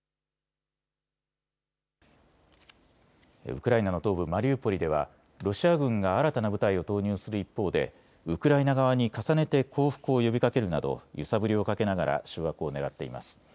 ウクライナの東部マリウポリではロシア軍が新たな部隊を投入する一方でウクライナ側に重ねて降伏を呼びかけるなど揺さぶりをかけながら掌握をねらっています。